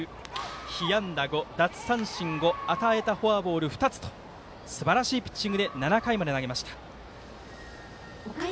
被安打５、奪三振５与えたフォアボール２つとすばらしいピッチングで７回まで投げました。